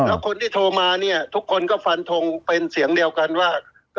แล้วคนที่โทรมาเนี่ยทุกคนก็ฟันทงเป็นเสียงเดียวกันว่า